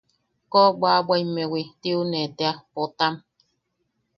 Kobwabwaimewi tiune tea, Potam.